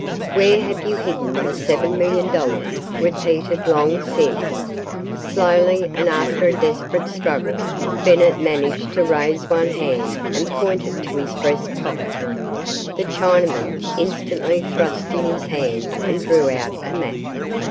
"Where have you hidden the seven million dollars?" repeated Long Sin. Slowly, and after a desperate struggle, Bennett managed to raise one hand and pointed to his breast pocket. The Chinaman instantly thrust in his hand and drew out a map.